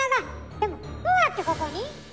でもどうやってここに？